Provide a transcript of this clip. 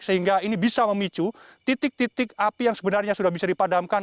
sehingga ini bisa memicu titik titik api yang sebenarnya sudah bisa dipadamkan